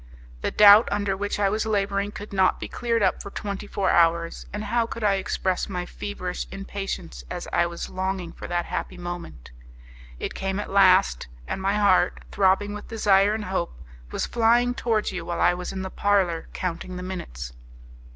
The doubt under which I was labouring could not be cleared up for twenty four hours, and how could I express my feverish impatience as I was longing for that happy moment! It came at last! and my heart, throbbing with desire and hope, was flying towards you while I was in the parlour counting the minutes!